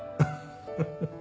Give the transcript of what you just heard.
フフフフ！